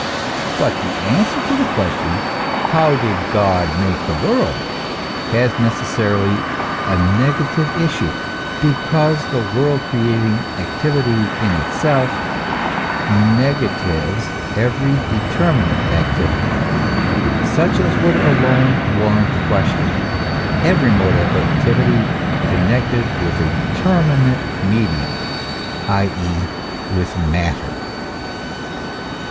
But the answer to the question: How did God make the world? has necessarily a negative issue, because the world creating activity in itself negatives every determinate activity, such as would alone warrant the question, every mode of activity connected with a determinate medium, i.e., with matter.